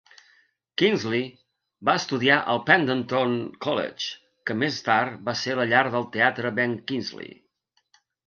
Kingsley va estudiar al Pendleton College, que més tard va ser la llar del teatre ben Kingsley.